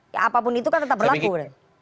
ya apapun itu kan tetap berlaku